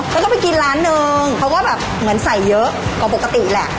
เขาก็ไปกินร้านนึงเขาก็แบบเหมือนใส่เยอะกว่าปกติแหละ